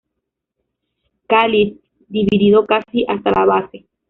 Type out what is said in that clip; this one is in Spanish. Cáliz dividido casi hasta la base.